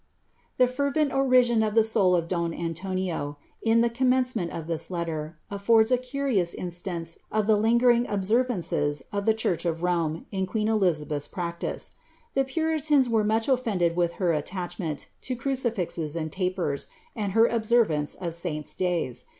The fervent orison for the soul of Don Antonio, in the commence ment of this letter, affords a curious instance of the lingering obser vances of the church of Rome in queen Elizabeth's practice. The puri tans were much ofiTended with her attachment to crucifixes and tapers, and her observance of saints' days.